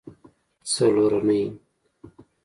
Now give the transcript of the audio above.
څلرنۍ